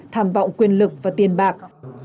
tham vọng quyền lực và tiền bạc